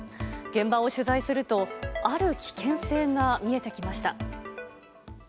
現場を取材すると、ある危険性が見えてきました。